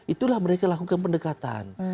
itulah mereka lakukan pendekatan